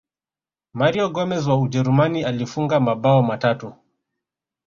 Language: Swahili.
mario gomez wa ujerumani alifunga mabao matatu